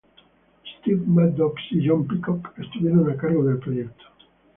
Steve Maddox y John Peacock estuvieron a cargo del proyecto.